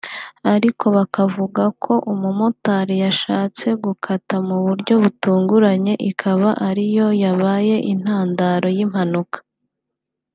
ariko bakavuga ko umumotari yashatse gukata mu buryo butunguranye ikaba ariyo yabaye intandaro y’impanuka